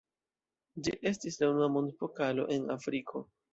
Ĝi estis la unua mondpokalo en Afriko.